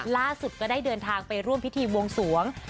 ล่าสุดก็ได้เดินทางไปร่วมพิธีวงศวงศ์